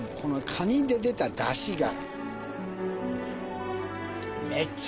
カニで出ただしが。